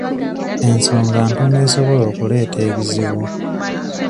Ensonga entono esobola okuleeta ebizibu.